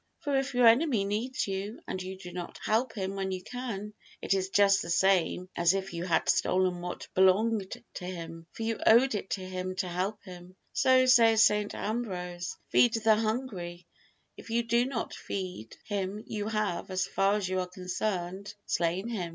For if your enemy needs you and you do not help him when you can, it is just the same as if you had stolen what belonged to him, for you owed it to him to help him. So says St. Ambrose, "Feed the hungry; if you do not feed him, you have, as far as you are concerned, slain him."